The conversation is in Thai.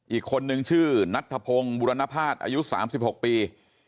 อีกคนนึงชื่อนัทธพงศ์บุรณภาษณ์อายุสามสิบหกปี